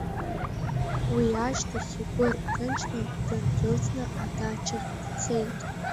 Уи ашьҭахь игәы рҭынчны дындәылҵны адачахь дцеит.